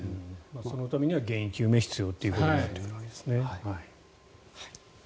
そのためには原因究明が必要となってくるわけですね。